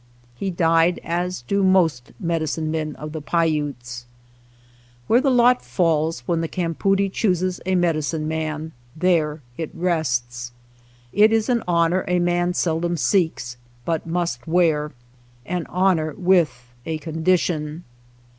He died, as do most medicine men of the Paiutes. Where the lot falls when the campoodie chooses a medicine man there it rests. It is an honor a man seldom seeks but must wear, an honor with a condition.